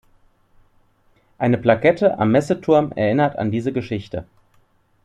Eine Plakette am Messeturm erinnert an diese Geschichte.